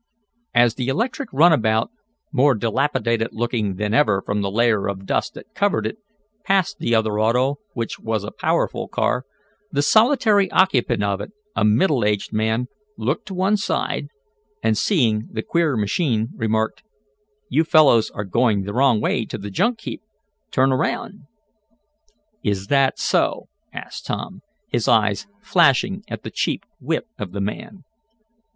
As the electric runabout, more dilapidated looking than ever from the layer of dust that covered it, passed the other auto, which was a powerful car, the solitary occupant of it, a middle aged man, looked to one side, and, seeing the queer machine, remarked: "You fellows are going the wrong way to the junk heap. Turn around." "Is that so?" asked Tom, his eyes flashing at the cheap wit of the man.